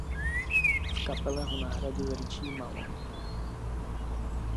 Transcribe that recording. V kapele ho nahradil Richie Malone.